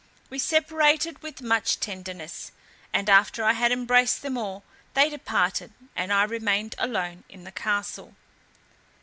We separated with much tenderness, and after I had embraced them all, they departed, and I remained alone in the castle.